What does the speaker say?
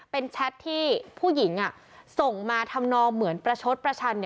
เป็นแชทที่ผู้หญิงส่งมาทำนองเหมือนประชดประชัน